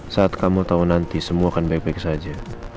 saat kamu tahu nanti semua akan baik baik saja